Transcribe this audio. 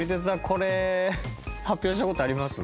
これ発表した事あります？